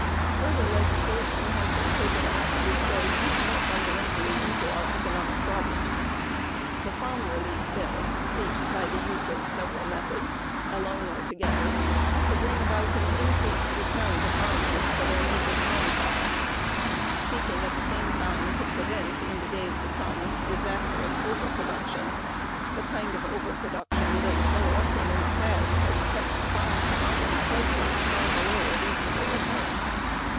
Further legislation has been taken up which goes much more fundamentally into our economic problems. The Farm Relief Bill seeks by the use of several methods, alone or together, to bring about an increased return to farmers for their major farm products, seeking at the same time to prevent in the days to come disastrous overproduction which so often in the past has kept farm commodity prices far below a reasonable return.